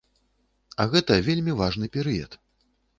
А гэта вельмі важны перыяд.